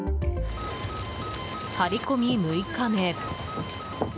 張り込み６日目。